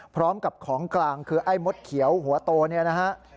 พร้อมกับของกลางคือไอ้มดเขียวหัวโตเนี่ยนะฮะ